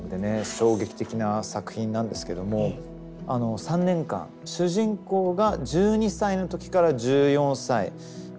衝撃的な作品なんですけども３年間主人公が１２歳の時から１４歳そういった日々を追っている。